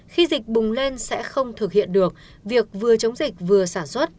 khi dịch bùng lên sẽ không thực hiện được việc vừa chống dịch vừa sản xuất